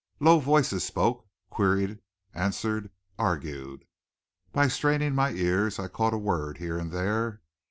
Low voices spoke, queried, answered, argued. By straining my ears I caught a word here and there.